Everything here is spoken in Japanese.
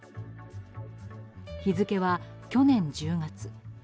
日付は去年１０月。